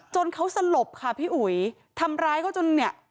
จนเขาสลบค่ะพี่อุ๋ยทำร้ายเขาจนเนี่ย